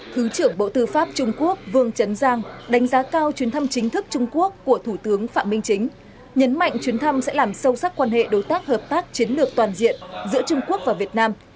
thứ trưởng bộ tư pháp trung quốc vương chấn đánh giá cao chuyến thăm chính thức trung quốc của thủ tướng phạm minh chính nhấn mạnh chuyến thăm sẽ làm sâu sắc quan hệ đối tác hợp tác chiến lược toàn diện giữa trung quốc và việt nam